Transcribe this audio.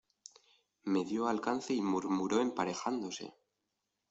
me dió alcance y murmuró emparejándose: